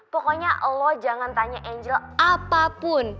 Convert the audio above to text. pokoknya lo jangan tanya angel apapun